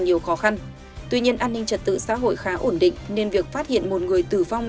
nhiều khó khăn tuy nhiên an ninh trật tự xã hội khá ổn định nên việc phát hiện một người tử vong